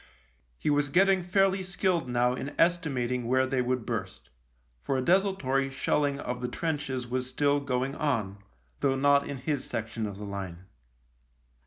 He was getting fairly skilled now in estimat ing where they would burst, for a desultory shelling of the trenches was still going on, though not in his section of the line.